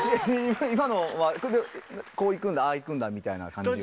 今のはこれでこういくんだああいくんだみたいな感じが。